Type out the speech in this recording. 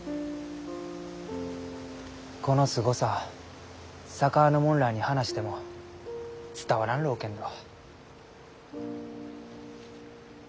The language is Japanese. このすごさ佐川の者らあに話しても伝わらんろうけんど。